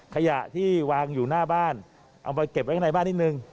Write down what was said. ขยะที่วางอยู่หน้าบ้านเอามาเก็บไว้ข้างในบ้านนิดนึง